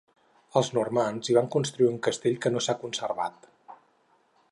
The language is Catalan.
Els normands hi van construir un castell, que no s'ha conservat.